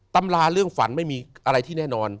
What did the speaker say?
ตำราเรื่องฝันไม่มีอะไรที่แน่นอน